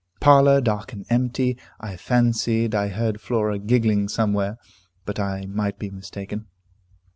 Parlor dark and empty. I fancied I heard Flora giggling somewhere, but I might be mistaken.